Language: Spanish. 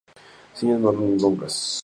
Semillas marrón, oblongas.